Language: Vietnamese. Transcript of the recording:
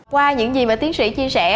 qua những gì mà tiến sĩ chia sẻ